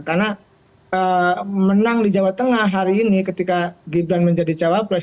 karena menang di jawa tengah hari ini ketika gibran menjadi cawabras